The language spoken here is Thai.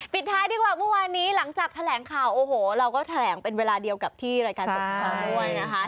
ท้ายดีกว่าเมื่อวานนี้หลังจากแถลงข่าวโอ้โหเราก็แถลงเป็นเวลาเดียวกับที่รายการสดของเราด้วยนะคะ